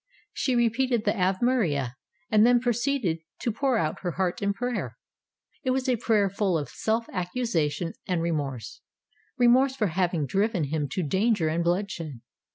She repeated the Ave Maria, and then proceeded to pour out her heart in prayer. It was a prayer full of self accusation and remorse; remorse for having driven him to danger and bloodshed.